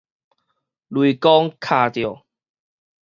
雷公敲著